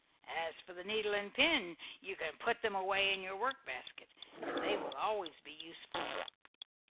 As for the needle and pin you can put them away in your work basket, and they will always be useful."